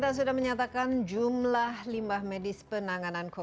lebih besar dari yang sudah terkenal oleh pemerintah dan juga pemerintah yang sudah menangani limbah